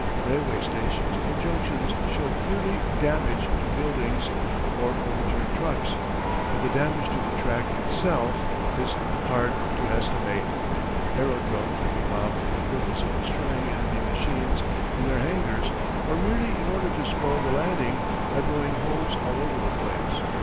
Railway stations or junctions show clearly damage to buildings or overturned trucks, but the damage to the track itself is hard to estimate. Aerodromes may be bombed for the purpose of destroying enemy machines in their hangars or merely in order to spoil the landing by blowing holes all over the place.